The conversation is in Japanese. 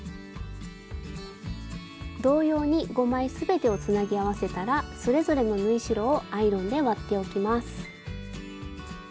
同様に５枚全てをつなぎ合わせたらそれぞれの縫い代をアイロンで割っておきます。